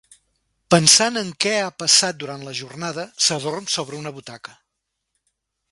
Pensant en què ha passat durant la jornada, s'adorm sobre una butaca.